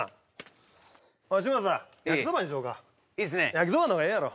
焼きそばの方がええやろ。